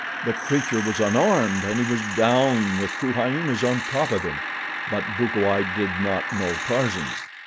The creature was unarmed, and he was down with two hyenas on top of him; but Bukawai did not know Tarzan.